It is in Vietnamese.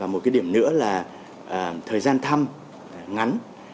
một điểm nữa là thời gian thăm ngắn